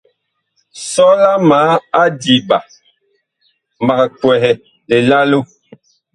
Sɔla ma adiɓa, mag kwɛhɛ lilalo.